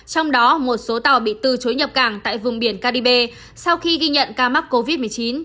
trong đó một số tàu bị từ chối nhập cảng tại vùng biển caribe sau khi ghi nhận ca mắc covid một mươi chín